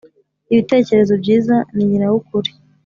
ibitekerezo byiza ninyina w’ ukuri